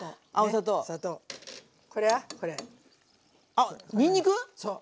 あっにんにく⁉そう。